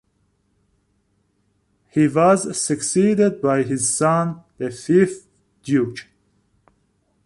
He was succeeded by his son, the fifth Duke.